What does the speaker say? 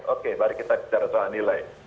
oke mari kita bicara soal nilai